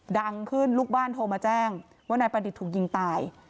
ดังขึ้นลูกบ้านโทรมาแจ้งว่านายประดิษฐ์ถูกยิงตาย